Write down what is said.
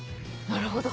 なるほど。